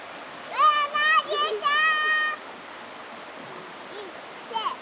うなぎさん！